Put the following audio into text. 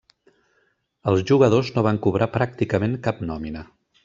Els jugadors no van cobrar pràcticament cap nòmina.